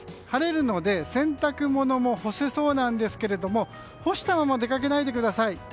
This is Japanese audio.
晴れるので洗濯物も干せそうなんですけれども干したまま出かけないでください。